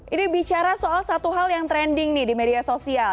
ini bicara soal satu hal yang trending nih di media sosial